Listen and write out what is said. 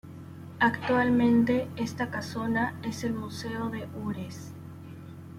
Actualmente esta casona es el Museo de Ures.